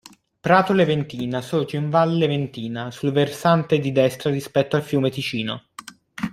Prato Leventina sorge in Val Leventina, sul versante di destra rispetto al fiume Ticino.